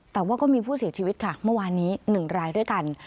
แต่ว่าก็มีผู้เสียชีวิตค่ะเมื่อวานนี้๑รายด้วยกัน